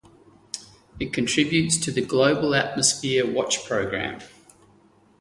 It contributes to the Global Atmosphere Watch program.